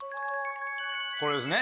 これですね。